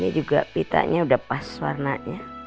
nah ini juga pintanya sudah pas warnanya